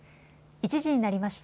１時になりました。